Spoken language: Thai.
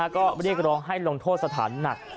ก็เรียกร้องให้ลงโทษสถานหนัก